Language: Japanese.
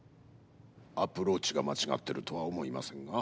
アプローチが間違ってるとは思いませんが。